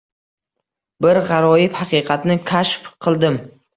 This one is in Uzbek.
Bir g‘aroyib haqiqatni kashf qildim.